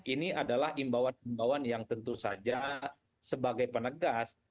ini adalah imbawan imbawan yang tentu saja sebagai penegas